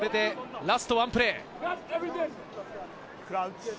ラストワンプレー。